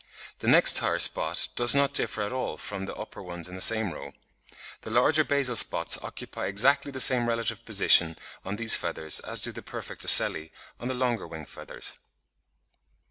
The next higher spot does not differ at all from the upper ones in the same row. The larger basal spots occupy exactly the same relative position on these feathers as do the perfect ocelli on the longer wing feathers.